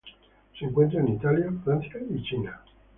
Se encuentra en Italia, Francia y China.